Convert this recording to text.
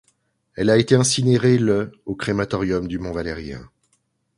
Elle a été incinérée le au crématorium du Mont Valérien.